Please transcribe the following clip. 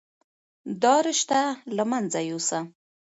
دا رشته له منځه يوسه.